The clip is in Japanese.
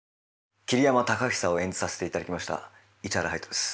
桐山貴久を演じさせていただきました市原隼人です。